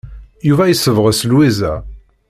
Yuba yessebɣes Lwiza.